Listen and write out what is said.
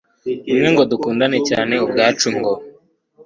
umwe, ngo dukundane ubwacu, ngo